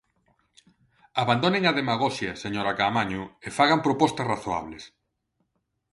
Abandonen a demagoxia, señora Caamaño, e fagan propostas razoables.